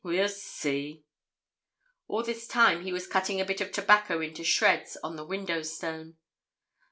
we'll see.' All this time he was cutting a bit of tobacco into shreds on the window stone.